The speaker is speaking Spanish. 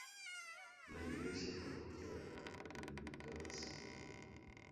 La iglesia parroquial, dedicada a San Miguel.